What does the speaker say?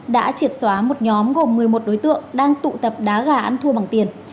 đã triệt xóa một nhóm gồm một mươi một đối tượng đang tụ tập đá gà ăn thua bằng tiền